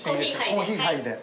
コーヒーハイで。